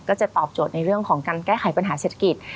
ก็จะตอบโจทย์ในเรื่องของการแก้ไขปัญหาเศรษฐกิจ